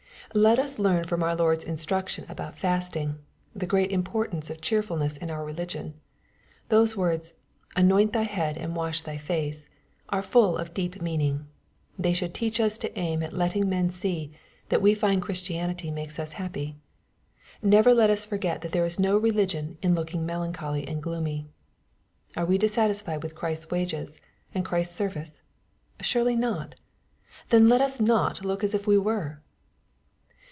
Let us learn from our Lord's instruction about fasting, the great importance of cheerfulnesa in our religion. Those words, " anoint thy head, and wash thy face," are full of deep meaning. They should teach us to aim at letting men see, that we find Christianity makes us happy. Never let us forget that there is no religion in looking melan choly and gloomy. Are we dissatisfied with Christ's wages, and Christ's service ? Surely not I Then let us not look as if we were.